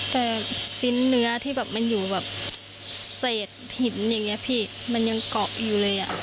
แต่ชิ้นเนื้อที่แบบมันอยู่แบบเศษหินอย่างนี้พี่มันยังเกาะอยู่เลยอ่ะ